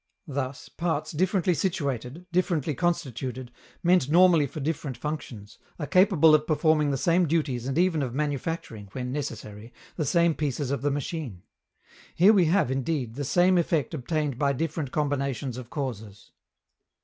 Thus, parts differently situated, differently constituted, meant normally for different functions, are capable of performing the same duties and even of manufacturing, when necessary, the same pieces of the machine. Here we have, indeed, the same effect obtained by different combinations of causes.